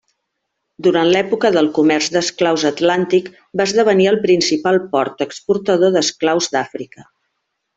Durant l'època del Comerç d'esclaus atlàntic va esdevenir el principal port exportador d'esclaus d'Àfrica.